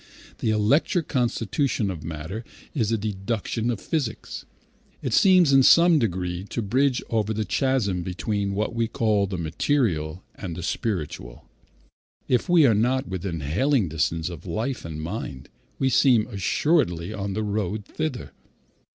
The electric constitution of matter is a deduction of physics. It seems in some degree to bridge over the chasm between what we call the material and the spiritual. If we are not within hailing distance of life and mind, we seem assuredly on the road thither.